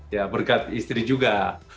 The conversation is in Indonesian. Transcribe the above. ya berkat istri juga